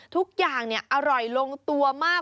ทุกอย่างอร่อยลงตัวมาก